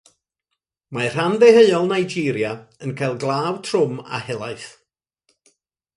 Mae rhan ddeheuol Nigeria yn cael glaw trwm a helaeth.